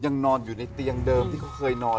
ยังนอนอยู่ในเตียงเดิมที่เขาเคยนอน